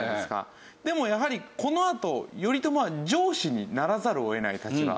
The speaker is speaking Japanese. でもやはりこのあと頼朝は上司にならざるを得ない立場。